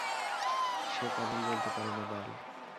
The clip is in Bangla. সে তামিল বলতে পারে না, বাল।